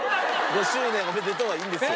「５周年おめでとう」はいいんですよ。